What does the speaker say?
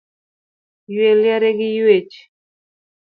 Yue liare gi yuech